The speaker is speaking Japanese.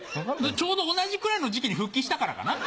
ちょうど同じくらいの時期に復帰したからかな？